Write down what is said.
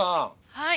はい！